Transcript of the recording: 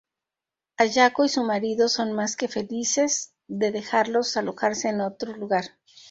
Ayako y su marido son más que felices de dejarlos alojarse en otro lugar.